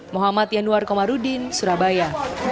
mohamad yanuar komarudin surabaya